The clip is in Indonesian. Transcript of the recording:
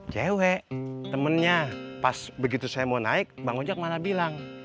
cewek temennya pas begitu saya mau naik bang ujak mana bilang